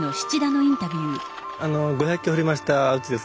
あの５００基掘りましたうちですね